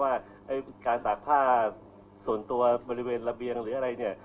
ว่าการตากผ้าส่วนตัวบริเวณระเบียงหรืออะไรเนี่ย